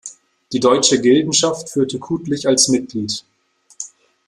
Die Deutsche Gildenschaft führte Kudlich als Mitglied.